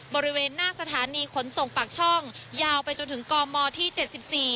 บริเวณหน้าสถานีขนส่งปากช่องยาวไปจนถึงกมที่เจ็ดสิบสี่